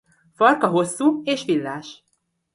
Farka hosszú és villás.